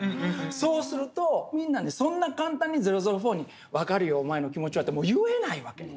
そうするとみんなそんな簡単に００４に「分かるよお前の気持ちは」ってもう言えないわけ。